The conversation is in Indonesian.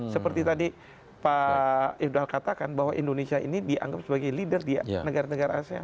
seperti tadi pak ifdal katakan bahwa indonesia ini dianggap sebagai leader di negara negara asean